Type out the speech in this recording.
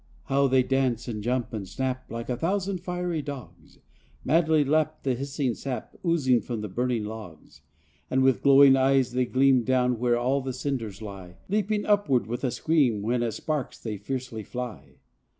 54 How they dance and jump and snap Like a thousand fiery dogs; Madly lap the hissing sap Oozing from the burning logs; And with glowing eyes they gleam Down where all the cinders lie, Leaping upward with a scream When as sparks they fiercely fly.